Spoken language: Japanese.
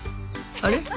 あれ？